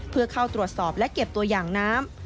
เพื่อเข้าตรวจสอบและเก็บตัวอย่างน้ำ